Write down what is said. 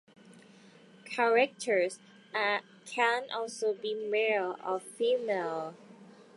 Characters can also be male or female.